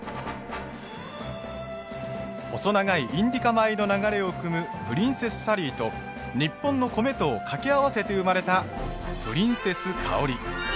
細長いインディカ米の流れをくむプリンセスサリーと日本の米とをかけ合わせて生まれたプリンセスかおり。